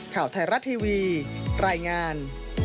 ข่าวไทยรัฐทีวีรายงาน